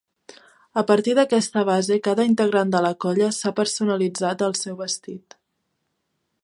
A partir d'aquesta base cada integrant de la colla s'ha personalitzat el seu vestit.